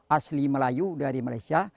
asli melayu dari malaysia